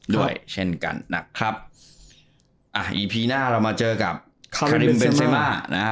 ด้วยเช่นกันนะครับอ่าอีพีหน้าเรามาเจอกับคาริมเบนเซมานะฮะ